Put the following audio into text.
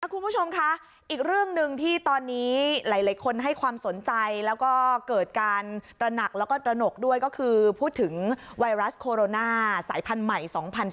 คุณผู้ชมคะอีกเรื่องหนึ่งที่ตอนนี้หลายคนให้ความสนใจแล้วก็เกิดการตระหนักแล้วก็ตระหนกด้วยก็คือพูดถึงไวรัสโคโรนาสายพันธุ์ใหม่๒๐๑๙